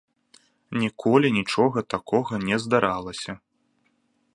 Ніколі нічога такога не здаралася.